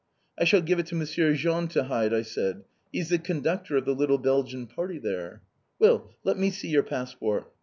"I shall give it to Monsieur Jean to hide," I said. "He's the conductor of the little Belgian party there!" "Well, let me see your passport!